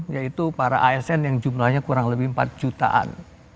yaitu para asn yang jumlahnya kurang lebih empat jutaan